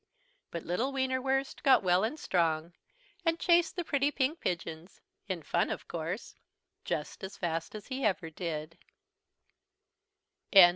But little Wienerwurst got well and strong, and chased the pretty pink pigeons in fun of course just as fast as ever he did.